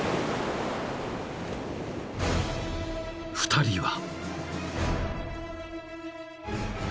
［２人は］